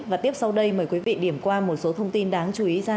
và tiếp sau đây mời quý vị điểm qua một số thông tin đáng chú ý